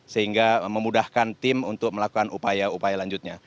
sehingga memudahkan tim untuk melakukan upaya upaya lanjutnya